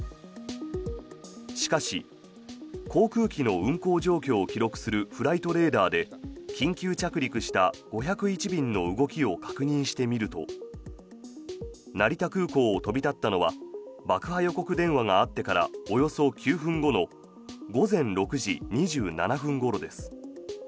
しかし航空機の運航状況を記録するフライトレーダーで緊急着陸した５０１便の動きを確認してみると成田空港を飛び立ったのは爆破予告電話があってからおよそ９分後の午前６時２７分ごろです。